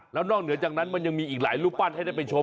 แล้วนอกเหนือจากนั้นมันยังมีอีกหลายรูปปั้นให้ได้ไปชม